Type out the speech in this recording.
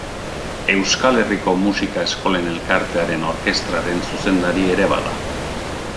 Euskal Herriko Musika Eskolen Elkartearen Orkestraren zuzendari ere bada.